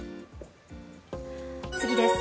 次です。